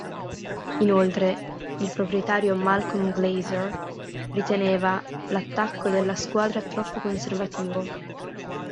Inoltre, il proprietario Malcolm Glazer riteneva l'attacco della squadra troppo conservativo.